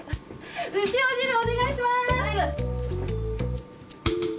うしお汁お願いします！